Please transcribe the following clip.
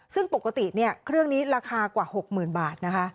ซึ่งปกติเครื่องนี้ราคากว่า๖๐๐๐บาทนะคะ